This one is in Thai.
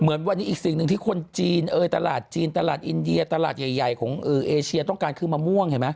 เหมือนวันนี้อีกสิ่งหนึ่งที่คนจีนเอ่ยตลาดจีนตลาดอินเดียตลาดใหญ่ของเอเชียต้องการคือมะม่วงเห็นไหม